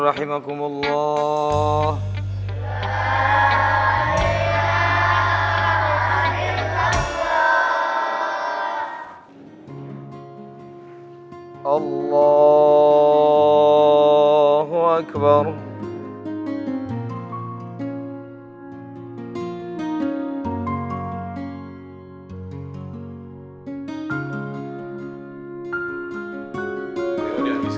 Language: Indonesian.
ih makannya jorok banget sih